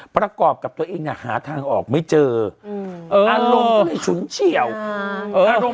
ประกอบกับตัวเองอ่ะหาทางออกไม่เจออืออารมณ์ก็ได้ฉุนเฉียวอ่า